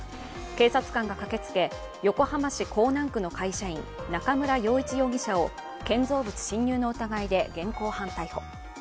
警察官が駆けつけ、横浜市港南区の会社員中村陽一容疑者を建造物侵入の疑いで現行犯逮捕。